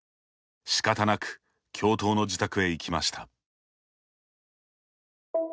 仕方なく教頭の自宅へ行きました。